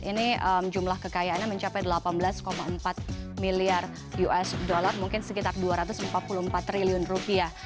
ini jumlah kekayaannya mencapai delapan belas empat miliar usd mungkin sekitar dua ratus empat puluh empat triliun rupiah